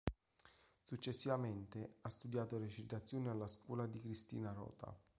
Successivamente, ha studiato recitazione alla scuola di Cristina Rota.